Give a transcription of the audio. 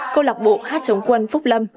cô lọc bộ hát chống quân phúc lâm